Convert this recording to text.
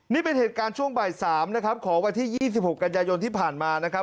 นี่เป็นเหตุการณ์ช่วงบ่าย๓นะครับของวันที่๒๖กันยายนที่ผ่านมานะครับ